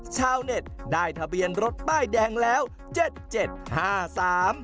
ชาวเน็ตได้ทะเบียนรถป้ายแดงแล้วเจ็ดเจ็ดห้าสาม